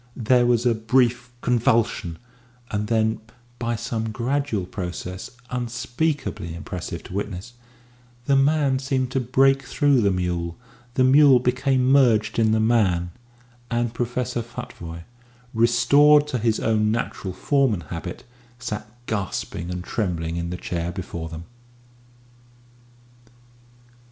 There was a brief convulsion, and then, by some gradual process unspeakably impressive to witness, the man seemed to break through the mule, the mule became merged in the man and Professor Futvoye, restored to his own natural form and habit, sat gasping and trembling in the chair before them.